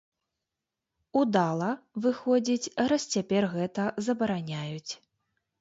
Удала, выходзіць, раз цяпер гэта забараняюць.